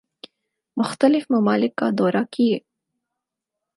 مختلف ممالک کا دورہ کیے